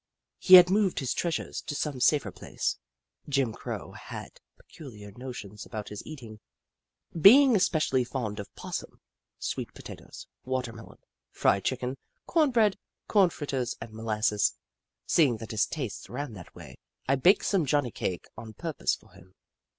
He had moved his treas ures to some safer place. Jim Crow had peculiar notions about his eating, being especially fond of 'possum, sweet potatoes, watermelon, fried Chicken, corn bread, corn fritters, and molasses. Seeinc: Jim Crow 127 that his tastes ran that way, I baked some Johnny cake on purpose for him.